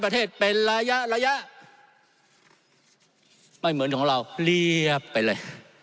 ประเทศเป็นระยะระยะไม่เหมือนของเราเรียบไปเลย